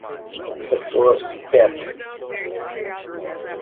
The first death!